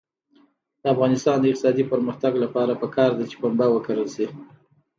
د افغانستان د اقتصادي پرمختګ لپاره پکار ده چې پنبه وکرل شي.